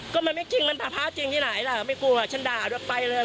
ก็มันไม่จริงมันพาพระจริงที่ไหนล่ะไม่กลัวฉันด่าด้วยไปเลย